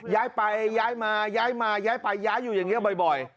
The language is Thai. ย้ายไปย้ายมาย้ายมาย้ายไปย้ายอยู่อย่างนี้บ่อย